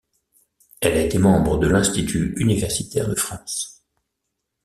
Elle a été membre de l'Institut universitaire de France.